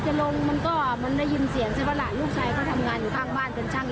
ก็เลยก้อมหลานไว้อย่างเนี่ยพวกชายก็มพอคือก้มหลานไว้